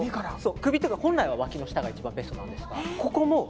本来はわきの下が一番ベストなんですが。